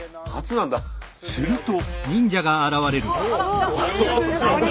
すると。